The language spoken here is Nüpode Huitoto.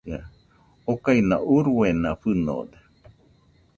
Okaina uruena fɨnode.